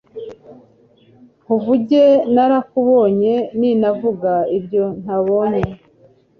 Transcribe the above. Nkuvuge narakubonye ninavuga ibyo ntabonye